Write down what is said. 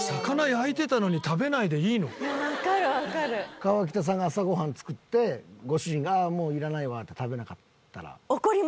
河北さんが朝ご飯作ってご主人が「もういらないわ」って食べなかったら。